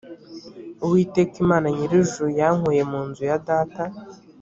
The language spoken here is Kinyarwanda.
uwiteka imana nyir’ijuru yankuye mu nzu ya data